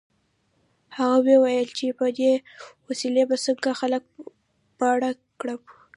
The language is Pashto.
هغه ویې ویل چې په دې وسیلې به څنګه خلک ماړه کړم